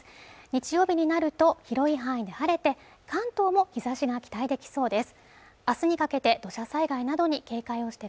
日曜日になると広い範囲で晴れて関東も日差しが期待できそうです